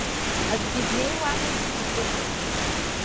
Аӡәгьы днеиуамызт напызаҵә.